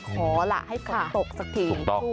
ขอล่ะให้ฝนตกสักทีถูกต้อง